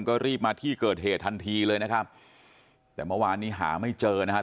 ก็รีบมาที่เกิดเหตุทันทีเลยนะครับแต่เมื่อวานนี้หาไม่เจอนะครับ